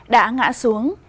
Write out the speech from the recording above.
đã ngã xuống